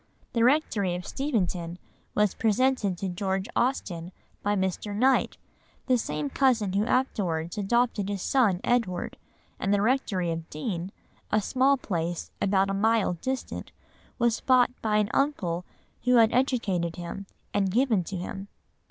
The rectory of Steventon was presented to George Austen by Mr. Knight, the same cousin who afterwards adopted his son Edward; and the rectory of Deane, a small place about a mile distant, was bought by an uncle who had educated him, and given to him.